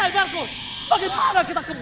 kau tidak apa apa markus